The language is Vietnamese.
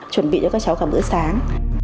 chuẩn bị cho các cháu cả bữa sáng